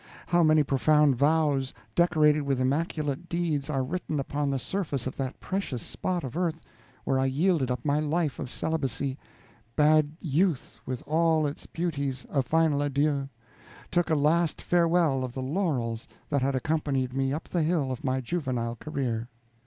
How many profound vows, decorated with immaculate deeds, are written upon the surface of that precious spot of earth where I yielded up my life of celibacy, bade youth with all its beauties a final adieu, took a last farewell of the laurels that had accompanied me up the hill of my juvenile career.